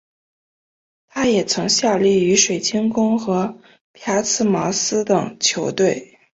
他也曾效力于水晶宫和朴茨茅斯等球队。